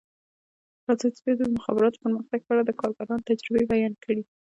ازادي راډیو د د مخابراتو پرمختګ په اړه د کارګرانو تجربې بیان کړي.